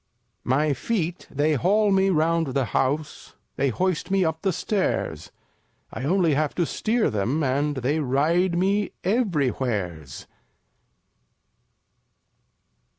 2 My Feet they haul me 'round the House; They hoist me up the Stairs; I only have to steer them and They ride me everywheres.